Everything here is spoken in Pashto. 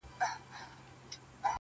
سینه غواړمه چي تاب د لمبو راوړي,